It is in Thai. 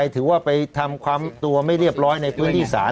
ถือว่าไปทำความตัวไม่เรียบร้อยในพื้นที่ศาล